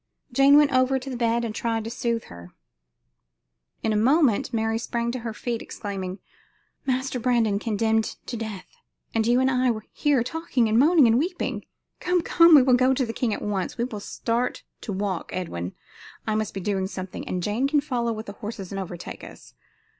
Jane went over to the bed and tried to soothe her. In a moment Mary sprang to her feet, exclaiming: "Master Brandon condemned to death and you and I here talking and moaning and weeping? Come, come, we will go to the king at once. We will start to walk, Edwin I must be doing something and Jane can follow with the horses and overtake us.